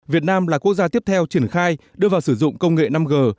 việt nam là quốc gia tiếp theo triển khai đưa vào sử dụng công nghệ năm g